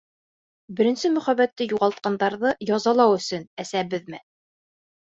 Беренсе мөхәббәтте юғалтҡандарҙы язалау өсөн әсәбеҙме?